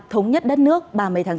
thống nhất đất nước ba mươi tháng bốn